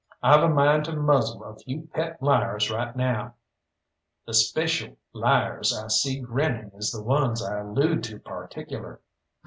I've a mind to muzzle a few pet liars right now. The speshul liars I see grinning is the ones I allude to particular.